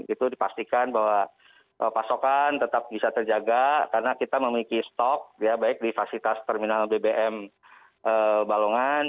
itu dipastikan bahwa pasokan tetap bisa terjaga karena kita memiliki stok ya baik di fasilitas terminal bbm balongan